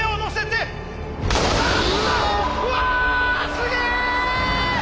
すげえ！